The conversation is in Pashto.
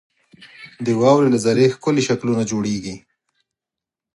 • د واورې له ذرې ښکلي شکلونه جوړېږي.